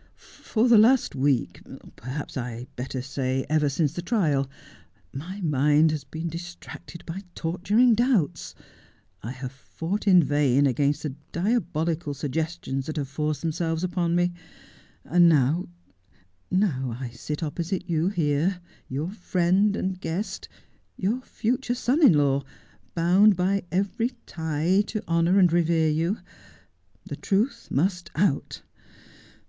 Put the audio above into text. ' For the last week — perhaps I had better say ever since the trial — my mind has been distracted by torturing doubts. I have fought in vain against the diabolical suggestions that have forced themselves upon me. And now> — now I sit opposite you here — your friend and guest, your future son in law, bound by every tie to honour and revere you — the truth must out.